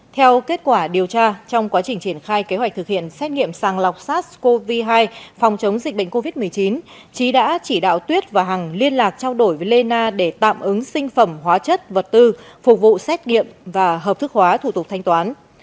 theo kết quả điều tra trong quá trình triển khai kế hoạch thực hiện xét nghiệm sàng lọc sars cov hai phòng chống dịch bệnh covid một mươi chín trí đã chỉ đạo tuyết và hằng liên lạc trao đổi với lê na để tạm ứng sinh phẩm hóa chất vật tư phục vụ xét nghiệm và hợp thức hóa thủ tục thanh toán